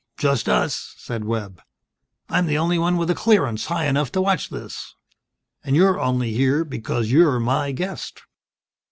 "Just us," said Webb. "I'm the only one with a clearance high enough to watch this. You're only here because you're my guest."